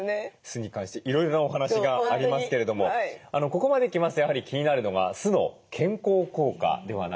酢に関していろいろなお話がありますけれどもここまで来ますとやはり気になるのが酢の健康効果ではないでしょうか。